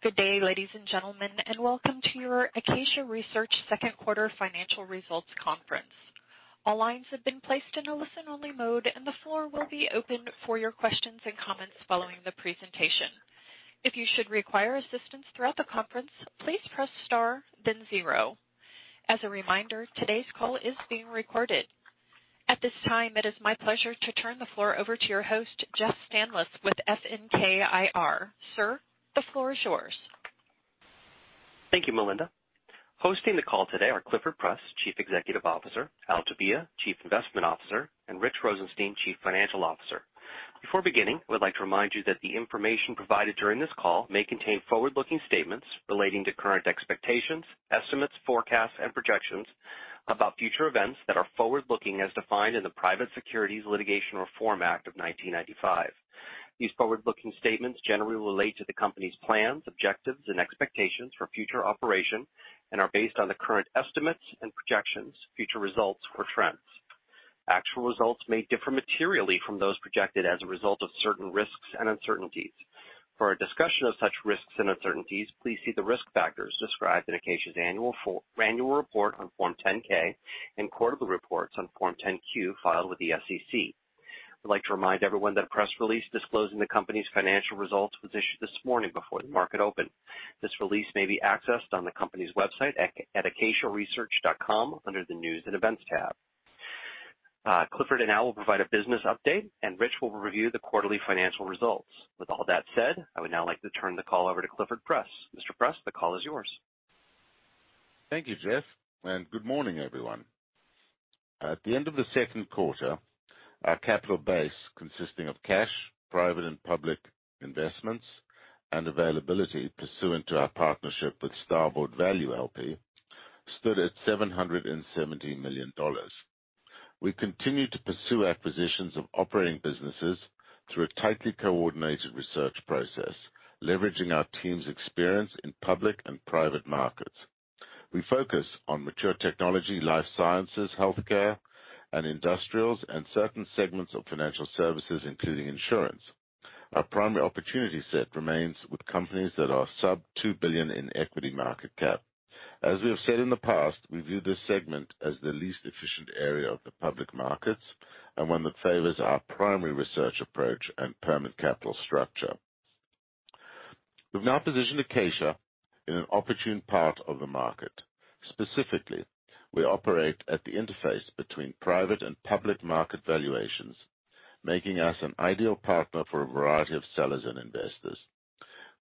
Good day, ladies and gentlemen, and welcome to your Acacia Research second quarter financial results conference. All lines have been placed in listen-only mode, and the floor will be open for you questions and comments following the presentation. If you should require assistance throughout the conference, please press star then zero. As a reminder today's call is being recorded. At this time, it is my pleasure to turn the floor over to your host, Jeff Stanlis with FNK IR. Sir, the floor is yours. Thank you, Melinda. Hosting the call today are Clifford Press, Chief Executive Officer, Al Tobia, Chief Investment Officer, and Rich Rosenstein, Chief Financial Officer. Before beginning, we'd like to remind you that the information provided during this call may contain forward-looking statements relating to current expectations, estimates, forecasts, and projections about future events that are forward-looking as defined in the Private Securities Litigation Reform Act of 1995. These forward-looking statements generally relate to the company's plans, objectives, and expectations for future operation, and are based on the current estimates and projections of future results or trends. Actual results may differ materially from those projected as a result of certain risks and uncertainties. For a discussion of such risks and uncertainties, please see the risk factors described in Acacia's Annual Report on Form 10-K, and quarterly reports on Form 10-Q filed with the SEC. We'd like to remind everyone that a press release disclosing the company's financial results was issued this morning before the market opened. This release may be accessed on the company's website at acaciaresearch.com under the News and Events tab. Clifford and Al will provide a business update, and Rich will review the quarterly financial results. With all that said, I would now like to turn the call over to Clifford Press. Mr. Press, the call is yours. Thank you, Jeff. Good morning, everyone. At the end of the second quarter, our capital base, consisting of cash, private and public investments, and availability pursuant to our partnership with Starboard Value LP, stood at $770 million. We continue to pursue acquisitions of operating businesses through a tightly coordinated research process, leveraging our team's experience in public and private markets. We focus on mature technology, life sciences, healthcare, and industrials, and certain segments of financial services, including insurance. Our primary opportunity set remains with companies that are sub $2 billion in equity market cap. As we have said in the past, we view this segment as the least efficient area of the public markets and one that favors our primary research approach and permanent capital structure. We've now positioned Acacia in an opportune part of the market. Specifically, we operate at the interface between private and public market valuations, making us an ideal partner for a variety of sellers and investors.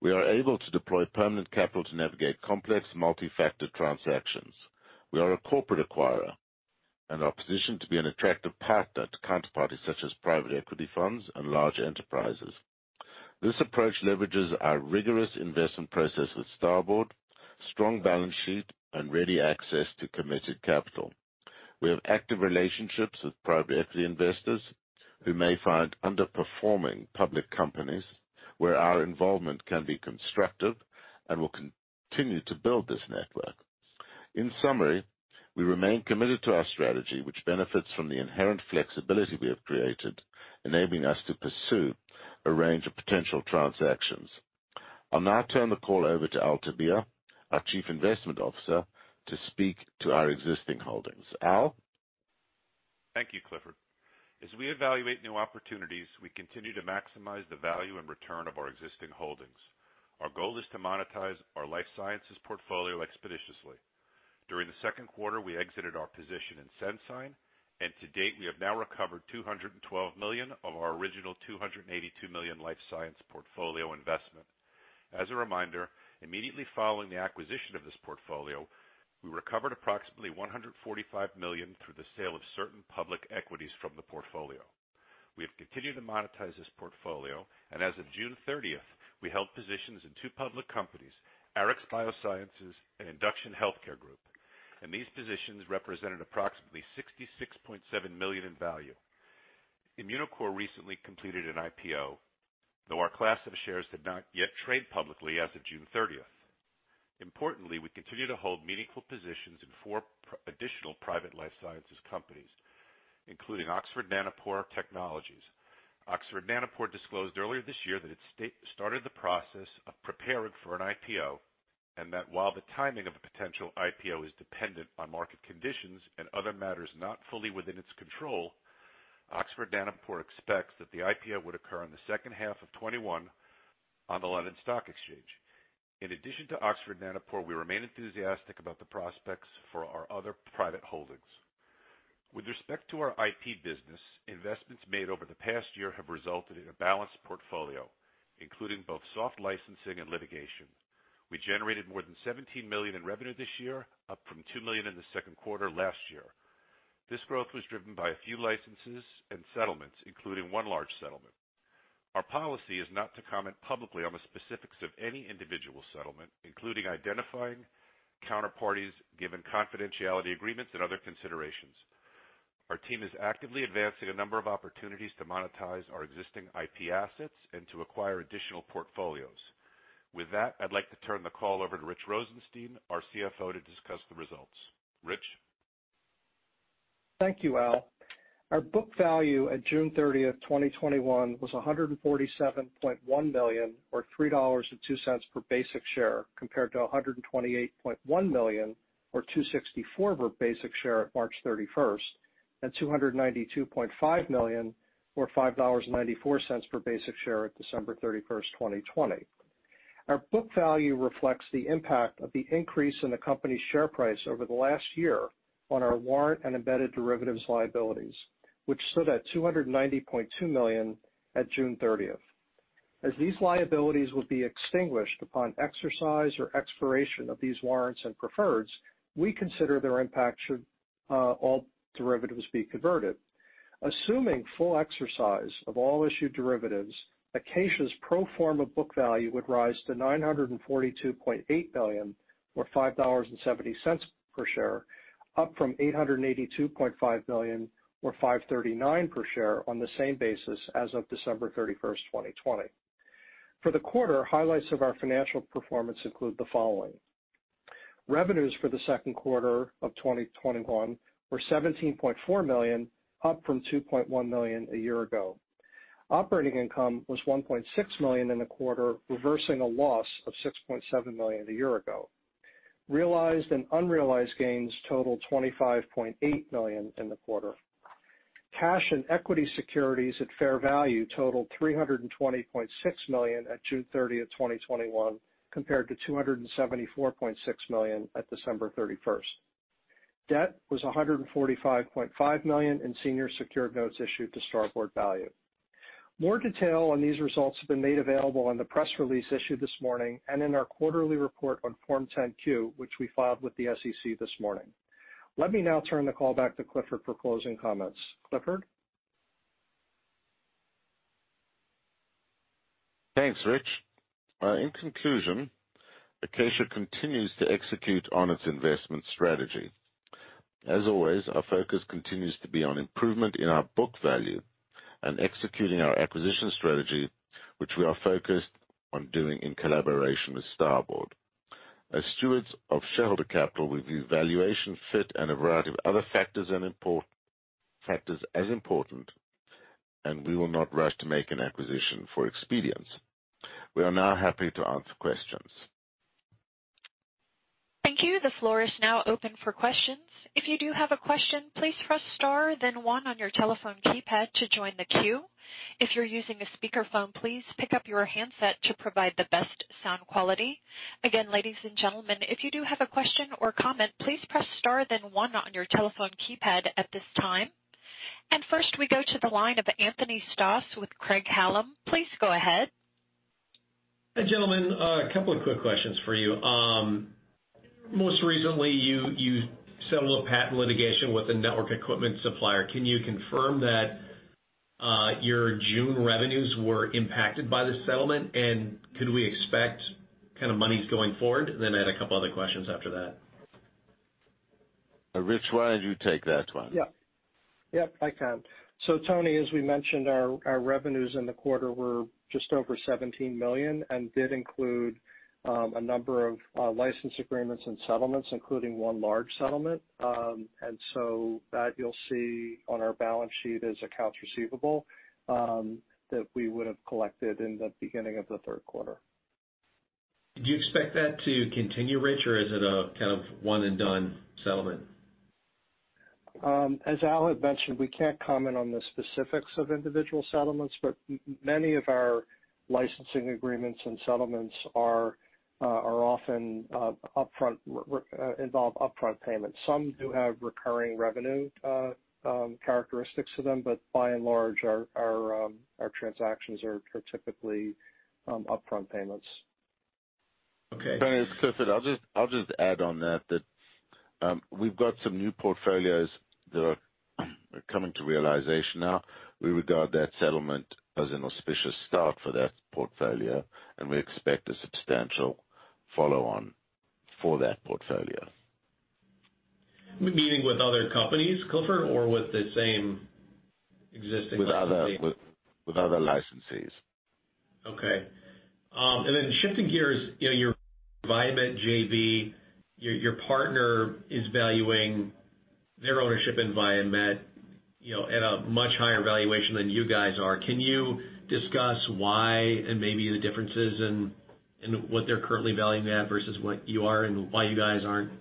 We are able to deploy permanent capital to navigate complex, multi-factor transactions. We are a corporate acquirer and are positioned to be an attractive partner to counterparties such as private equity funds and large enterprises. This approach leverages our rigorous investment process with Starboard, strong balance sheet, and ready access to committed capital. We have active relationships with private equity investors who may find underperforming public companies where our involvement can be constructive, and we'll continue to build this network. In summary, we remain committed to our strategy, which benefits from the inherent flexibility we have created, enabling us to pursue a range of potential transactions. I'll now turn the call over to Al Tobia, our Chief Investment Officer, to speak to our existing holdings. Al? Thank you, Clifford. As we evaluate new opportunities, we continue to maximize the value and return of our existing holdings. Our goal is to monetize our life sciences portfolio expeditiously. During the second quarter, we exited our position in Sensyne, and to date, we have now recovered $212 million of our original $282 million life science portfolio investment. As a reminder, immediately following the acquisition of this portfolio, we recovered approximately $145 million through the sale of certain public equities from the portfolio. We have continued to monetize this portfolio, and as of June 30th, we held positions in two public companies, Arix Bioscience and Induction Healthcare Group, and these positions represented approximately $66.7 million in value. Immunocore recently completed an IPO, though our class of shares did not yet trade publicly as of June 30th. Importantly, we continue to hold meaningful positions in four additional private life sciences companies, including Oxford Nanopore Technologies. Oxford Nanopore disclosed earlier this year that it started the process of preparing for an IPO, and that while the timing of a potential IPO is dependent on market conditions and other matters not fully within its control, Oxford Nanopore expects that the IPO would occur in the second half of 2021 on the London Stock Exchange. In addition to Oxford Nanopore, we remain enthusiastic about the prospects for our other private holdings. With respect to our IP business, investments made over the past year have resulted in a balanced portfolio, including both soft licensing and litigation. We generated more than $17 million in revenue this year, up from $2 million in the second quarter last year. This growth was driven by a few licenses and settlements, including one large settlement. Our policy is not to comment publicly on the specifics of any individual settlement, including identifying counterparties given confidentiality agreements and other considerations. Our team is actively advancing a number of opportunities to monetize our existing IP assets and to acquire additional portfolios. With that, I'd like to turn the call over to Rich Rosenstein, our CFO, to discuss the results. Rich? Thank you, Al. Our book value at June 30th, 2021, was $147.1 million, or $3.02 per basic share, compared to $128.1 million, or $2.64 per basic share at March 31st, and $292.5 million, or $5.94 per basic share at December 31st, 2020. Our book value reflects the impact of the increase in the company's share price over the last year on our warrant and embedded derivatives liabilities, which stood at $290.2 million at June 30th. As these liabilities would be extinguished upon exercise or expiration of these warrants and preferreds, we consider their impact should all derivatives be converted. Assuming full exercise of all issued derivatives, Acacia's pro forma book value would rise to $942.8 million or $5.70 per share, up from $882.5 million or $5.39 per share on the same basis as of December 31st, 2020. For the quarter, highlights of our financial performance include the following. Revenues for the second quarter of 2021 were $17.4 million, up from $2.1 million a year ago. Operating income was $1.6 million in the quarter, reversing a loss of $6.7 million a year ago. Realized and unrealized gains totaled $25.8 million in the quarter. Cash and equity securities at fair value totaled $320.6 million at June 30th, 2021, compared to $274.6 million at December 31st. Debt was $145.5 million in senior secured notes issued to Starboard Value. More detail on these results have been made available on the press release issued this morning and in our quarterly report on Form 10-Q, which we filed with the SEC this morning. Let me now turn the call back to Clifford for closing comments. Clifford? Thanks, Rich. In conclusion, Acacia continues to execute on its investment strategy. As always, our focus continues to be on improvement in our book value and executing our acquisition strategy, which we are focused on doing in collaboration with Starboard. As stewards of shareholder capital, we view valuation fit and a variety of other factors as important, and we will not rush to make an acquisition for expedience. We are now happy to answer questions. Thank you. The floor is now open for questions. If you do have a question, please press star then one on your telephone keypad to join the queue. If you're using a speakerphone, please pick up your handset to provide the best sound quality. Again, ladies and gentlemen, if you do have a question or comment, please press star then one on your telephone keypad at this time. First, we go to the line of Anthony Stoss with Craig-Hallum. Please go ahead. Hey, gentlemen. A couple of quick questions for you. Most recently, you settled a patent litigation with a network equipment supplier. Can you confirm that your June revenues were impacted by the settlement, and could we expect monies going forward? I had a couple other questions after that. Rich, why don't you take that one? Yep. I can. Tony, as we mentioned, our revenues in the quarter were just over $17 million and did include a number of license agreements and settlements, including one large settlement. That you'll see on our balance sheet as accounts receivable, that we would've collected in the beginning of the third quarter. Do you expect that to continue, Rich, or is it a kind of one and done settlement? As Al had mentioned, we can't comment on the specifics of individual settlements, but many of our licensing agreements and settlements often involve upfront payments. Some do have recurring revenue characteristics to them, but by and large, our transactions are typically upfront payments. Okay. Tony, it's Clifford. I'll just add on that we've got some new portfolios that are coming to realization now. We regard that settlement as an auspicious start for that portfolio, and we expect a substantial follow-on for that portfolio. Meaning with other companies, Clifford, or with the same existing- With other licensees. Okay. Shifting gears, your Viamet JV, your partner is valuing their ownership in Viamet at a much higher valuation than you guys are. Can you discuss why and maybe the differences in what they're currently valuing that versus what you are and why you guys aren't,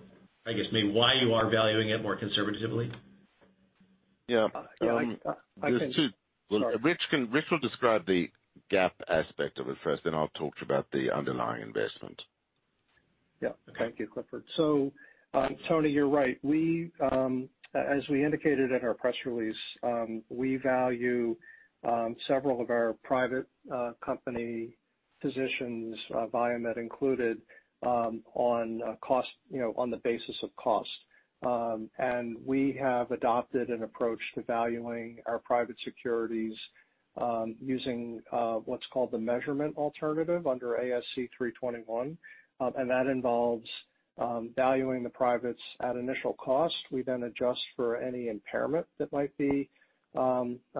I guess maybe why you are valuing it more conservatively? Yeah. Yeah, I can. Well, Rich will describe the GAAP aspect of it first, then I'll talk to you about the underlying investment. Yep. Thank you, Clifford. Tony, you're right. As we indicated in our press release, we value several of our private company positions, Viamet included, on the basis of cost. We have adopted an approach to valuing our private securities using what's called the measurement alternative under ASC 321. That involves valuing the privates at initial cost. We adjust for any impairment that might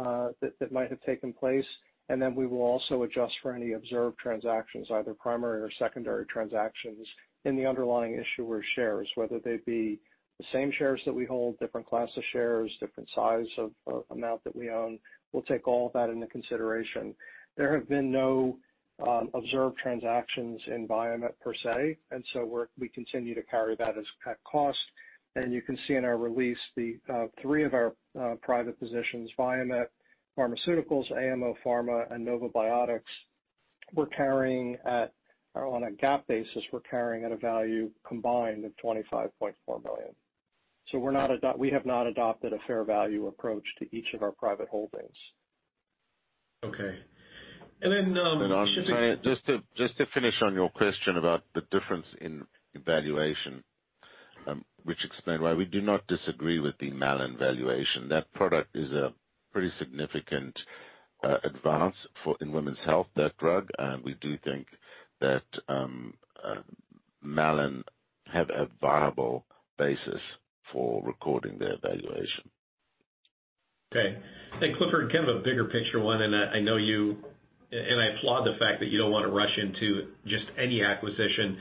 have taken place. We will also adjust for any observed transactions, either primary or secondary transactions, in the underlying issuer shares, whether they be the same shares that we hold, different class of shares, different size of amount that we own. We'll take all of that into consideration. There have been no observed transactions in Viamet per se, we continue to carry that as at cost. You can see in our release the three of our private positions, Viamet Pharmaceuticals, AMO Pharma, and NovaBiotics, on a GAAP basis, we're carrying at a value combined of $25.4 million. We have not adopted a fair value approach to each of our private holdings. Okay. Just to finish on your question about the difference in valuation, which explain why we do not disagree with the Malin valuation. That product is a pretty significant advance in women's health, that drug. We do think that Malin have a viable basis for recording their valuation. Okay. Clifford, kind of a bigger picture one, and I applaud the fact that you don't want to rush into just any acquisition,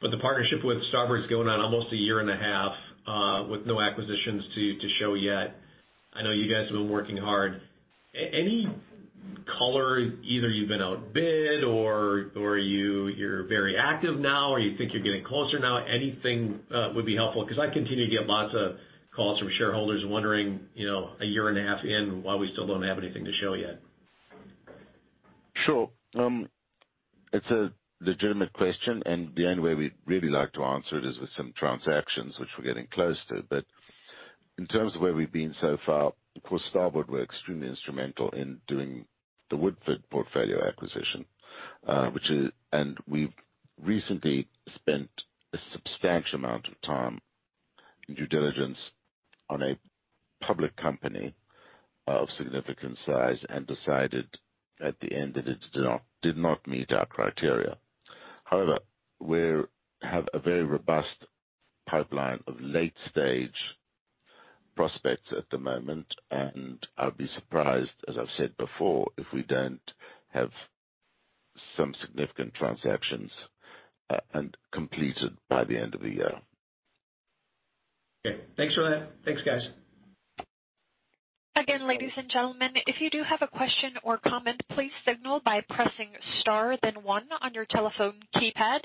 but the partnership with Starboard is going on almost a year and a half, with no acquisitions to show yet. I know you guys have been working hard. Any color, either you've been outbid or you're very active now, or you think you're getting closer now, anything would be helpful because I continue to get lots of calls from shareholders wondering, a year and a half in, why we still don't have anything to show yet. Sure. It's a legitimate question, and the only way we'd really like to answer it is with some transactions, which we're getting close to. In terms of where we've been so far, of course, Starboard were extremely instrumental in doing the Woodford portfolio acquisition. We've recently spent a substantial amount of time in due diligence on a public company of significant size and decided at the end that it did not meet our criteria. However, we have a very robust pipeline of late-stage prospects at the moment, and I'd be surprised, as I've said before, if we don't have some significant transactions completed by the end of the year. Okay. Thanks for that. Thanks, guys. Again, ladies and gentlemen, if you do have a question or comment, please signal by pressing star then one on your telephone keypad.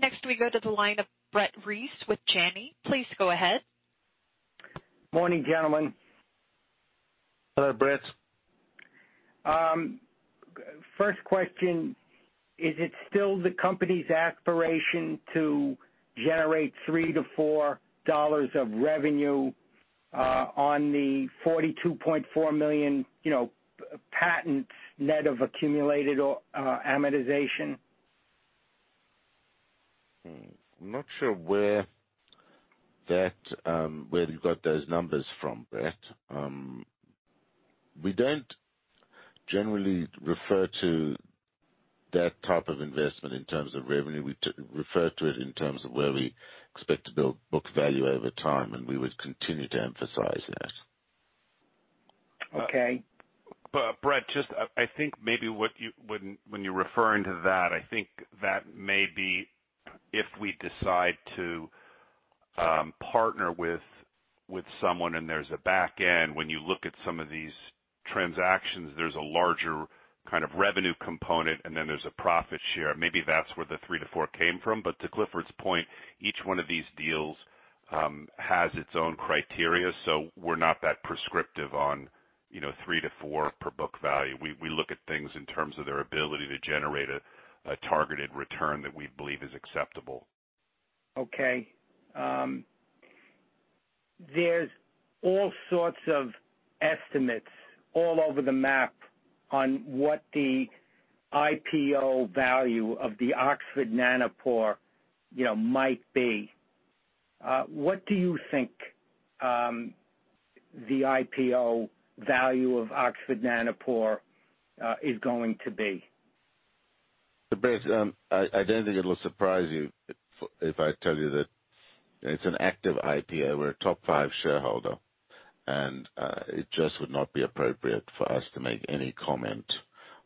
Next we go to the line of Brett Reiss with Janney. Please go ahead. Morning, gentlemen. Hello, Brett. First question, is it still the company's aspiration to generate $3-$4 of revenue on the $42.4 million patents net of accumulated amortization? I'm not sure where you got those numbers from, Brett. We don't generally refer to that type of investment in terms of revenue. We refer to it in terms of where we expect to build book value over time, and we would continue to emphasize that. Okay. Brett, just I think maybe when you're referring to that, I think that may be if we decide to partner with someone and there's a back end. When you look at some of these transactions, there's a larger kind of revenue component, and then there's a profit share. Maybe that's where the $3-$4 came from. To Clifford's point, each one of these deals has its own criteria. We're not that prescriptive on $3-$4 per book value. We look at things in terms of their ability to generate a targeted return that we believe is acceptable. Okay. There's all sorts of estimates all over the map on what the IPO value of the Oxford Nanopore might be. What do you think the IPO value of Oxford Nanopore is going to be? Brett, I don't think it'll surprise you if I tell you that it's an active IPO. We're a top five shareholder. It just would not be appropriate for us to make any comment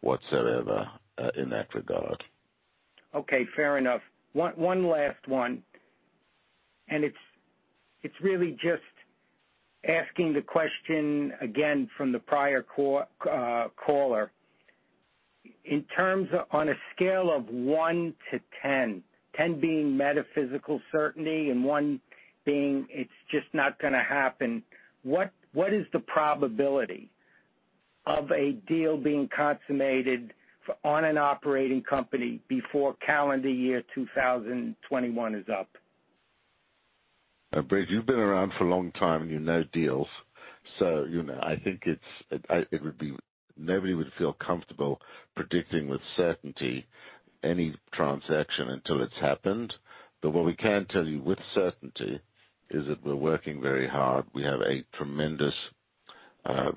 whatsoever in that regard. Okay, fair enough. One last one, and it's really just asking the question again from the prior caller. On a scale of 1-10 being metaphysical certainty and one being it's just not going to happen, what is the probability of a deal being consummated on an operating company before calendar year 2021 is up? Brett, you've been around for a long time, and you know deals. I think nobody would feel comfortable predicting with certainty any transaction until it's happened. What we can tell you with certainty is that we're working very hard. We have a tremendous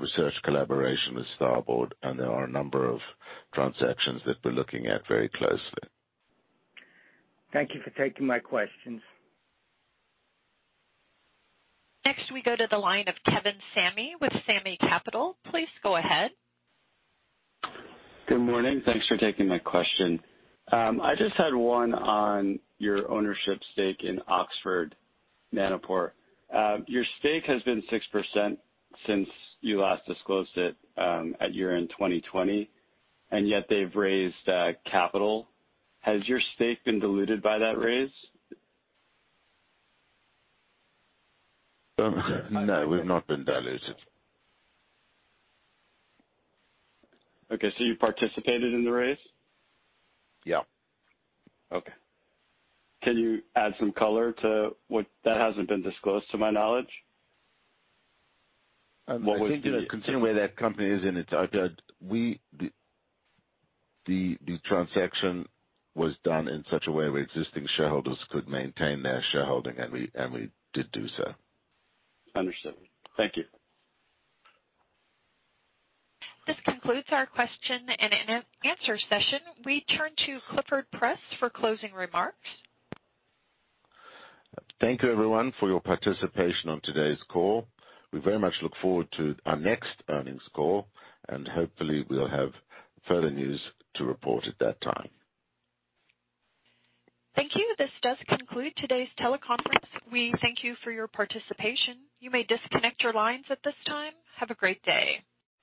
research collaboration with Starboard, and there are a number of transactions that we're looking at very closely. Thank you for taking my questions. We go to the line of Kevin Sami with Sami Capital. Please go ahead. Good morning. Thanks for taking my question. I just had one on your ownership stake in Oxford Nanopore. Your stake has been 6% since you last disclosed it at year-end 2020. Yet they've raised capital. Has your stake been diluted by that raise? No, we've not been diluted. Okay, you participated in the raise? Yeah. Okay. Can you add some color to that hasn't been disclosed to my knowledge. I think considering where that company is. The transaction was done in such a way where existing shareholders could maintain their shareholding, and we did do so. Understood. Thank you. This concludes our question and answer session. We turn to Clifford Press for closing remarks. Thank you everyone for your participation on today's call. We very much look forward to our next earnings call, and hopefully we'll have further news to report at that time. Thank you. This does conclude today's teleconference. We thank you for your participation. You may disconnect your lines at this time. Have a great day.